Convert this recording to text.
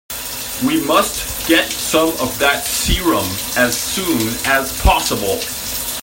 We must get some of that serum as soon as possible.